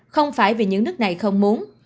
không phải vì những nước này không muốn